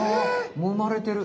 もううまれてる！